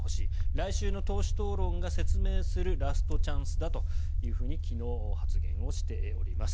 来週の党首討論が説明するラストチャンスだと昨日、発言しております。